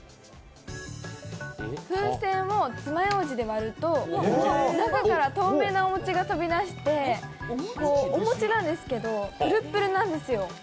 風船を爪ようじで割ると中から透明なお餅が飛び出してお餅なんですけど、ぷるっぷるなんですよ。